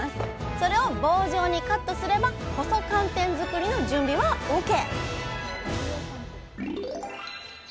それを棒状にカットすれば細寒天作りの準備はＯＫ